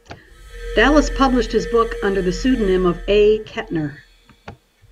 Dallas published his book under the pseudonym of A. Kettner.